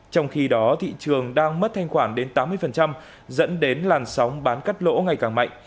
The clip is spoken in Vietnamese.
trong khi đó thị trường đang mất thanh khoản đến tám mươi dẫn đến làn sóng bán cắt lỗ ngày càng mạnh